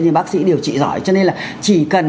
thì bác sĩ điều trị giỏi cho nên là chỉ cần